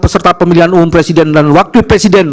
peserta pemilihan umum presiden dan wakil presiden